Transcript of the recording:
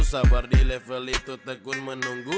sabar di level itu tekun menunggu